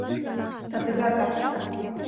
— Садыгакат!..